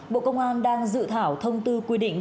bộ công an đang dự thảo thông tư quy định